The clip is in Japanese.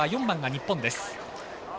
４番が日本です。